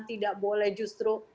tidak boleh justru